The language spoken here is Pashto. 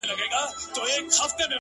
شېخ د خړپا خبري پټي ساتي.